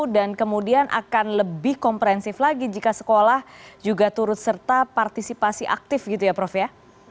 dan kemudian akan lebih komprensif lagi jika sekolah juga turut serta partisipasi aktif gitu ya prof ya